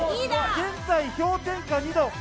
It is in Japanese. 現在、氷点下２度。